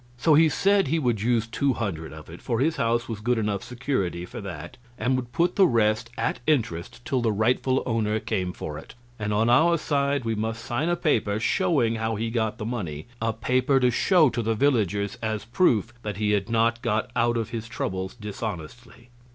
So he said he would use two hundred of it, for his house was good enough security for that, and would put the rest at interest till the rightful owner came for it; and on our side we must sign a paper showing how he got the money a paper to show to the villagers as proof that he had not got out of his troubles dishonestly.